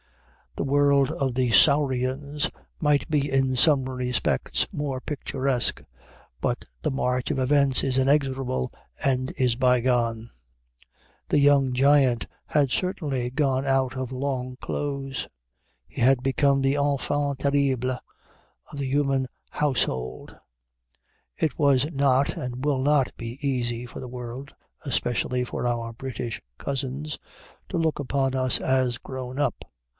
The world of the Saurians might be in some respects more picturesque, but the march of events is inexorable, and it is bygone. The young giant had certainly got out of long clothes. He had become the enfant terrible of the human household. It was not and will not be easy for the world (especially for our British cousins) to look upon us as grown up.